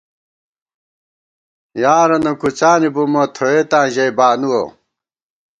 یارَنہ کُڅانی بُمہ ، تھوئېتاں ژَئی بانُوَہ